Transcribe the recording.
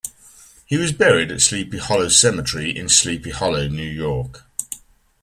He was buried at Sleepy Hollow Cemetery in Sleepy Hollow, New York.